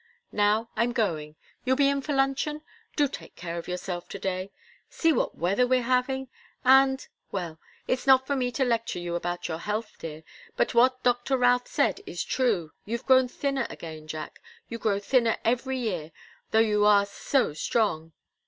Now I'm going. You'll be in for luncheon? Do take care of yourself to day. See what weather we're having! And well it's not for me to lecture you about your health, dear. But what Doctor Routh said is true. You've grown thinner again, Jack you grow thinner every year, though you are so strong."